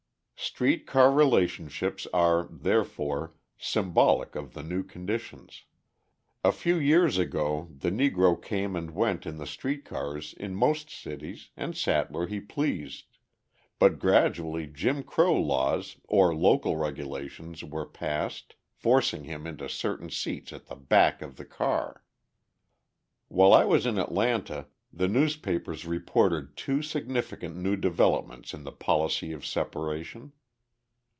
Street car relationships are, therefore, symbolic of the new conditions. A few years ago the Negro came and went in the street cars in most cities and sat where he pleased, but gradually Jim Crow laws or local regulations were passed, forcing him into certain seats at the back of the car. While I was in Atlanta, the newspapers reported two significant new developments in the policy of separation.